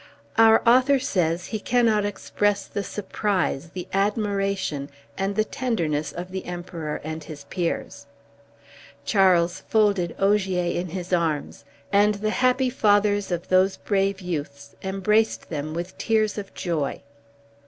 Our author says he cannot express the surprise, the admiration, and the tenderness of the Emperor and his peers. Charles folded Ogier in his arms, and the happy fathers of those brave youths embraced them with tears of joy.